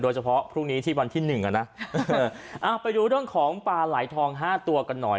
พรุ่งนี้ที่วันที่หนึ่งอ่ะนะไปดูเรื่องของปลาไหลทองห้าตัวกันหน่อย